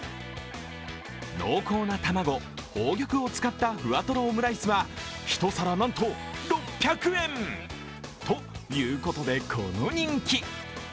濃厚な卵、宝玉を使ったふわとろオムライスは１皿なんと６００円。ということで、この人気。